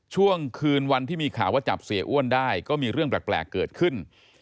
ช่วงคืนวันที่มีข่าวว่าจับเสียอ้วนได้ก็มีเรื่องแปลกเกิดขึ้น